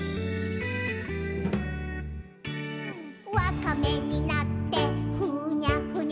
「わかめになってふにゃふにゃ」